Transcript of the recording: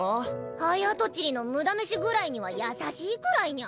はやとちりの無駄飯食らいには優しいくらいニャ。